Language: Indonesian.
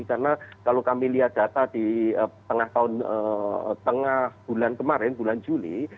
karena kalau kami lihat data di tengah bulan kemarin bulan juli